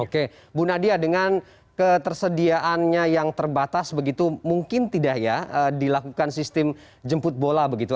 oke bu nadia dengan ketersediaannya yang terbatas begitu mungkin tidak ya dilakukan sistem jemput bola begitu